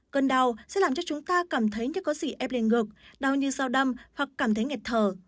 cơn đau sẽ làm cho chúng ta cảm thấy như có gì ép lên ngực đau như dao đâm hoặc cảm thấy ngật thở